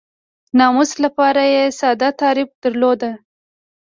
ناموس لپاره یې ساده تعریف درلود.